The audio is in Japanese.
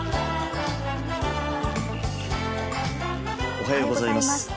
おはようございます。